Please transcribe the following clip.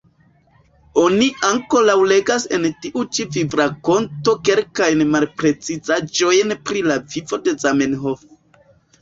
Oni ankoraŭ legas en tiu ĉi vivrakonto kelkajn malprecizaĵojn pri la vivo de Zamenhof.